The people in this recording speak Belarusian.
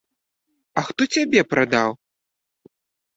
А хто цябе прадаў?